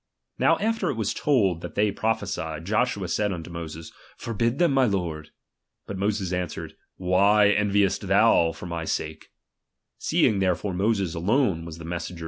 Now after it was told that they prophesied, Joshua said unto Moses, Forbid them, my lord. But Moses answered : Why enviest thou for my sake ? Seeing therefore Moses alone was the messenger RELIGION.